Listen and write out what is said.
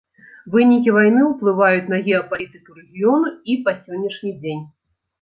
Вынікі вайны ўплываюць на геапалітыку рэгіёну і па сённяшні дзень.